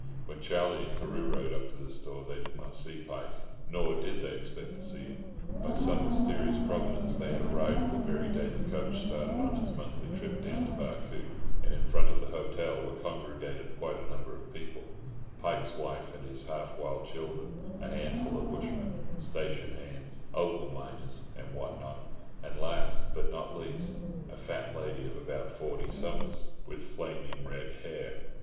When Charlie and Carew rode up to the store they did not see Pike, nor did they expect to see him. By some mysterious Providence they had arrived the very day the coach started on its monthly trip down to Barcoo; and in front of the hotel were congregated quite a number of people—Pike's wife and his half wild children, a handful of bushmen, station hands, opal miners, and what not, and last, but not least, a fat lady of about forty summers, with flaring red hair.